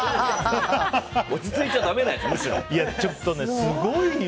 落ち着いちゃだめなやつですよ。